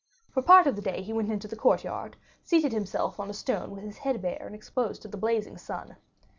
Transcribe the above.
For part of the day he went into the courtyard, seated himself on a stone with his head bare and exposed to the blazing sun.